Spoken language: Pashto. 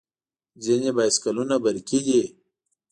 ځینې بایسکلونه برقي دي.